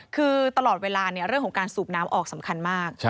คือตลอดเวลาเรื่องของการสูบน้ำออกสำคัญมาก